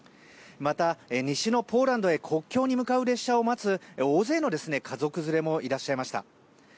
また、西のポーランドへ国境へ向かう列車を待つ大勢の家族連れもいらっしゃいました。